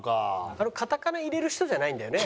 あのカタカナ入れる人じゃないんだよね？